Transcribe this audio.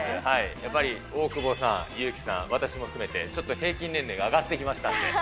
やっぱり大久保さん、優木さん、私も含めて、ちょっと平均年齢が上がってきましたんで。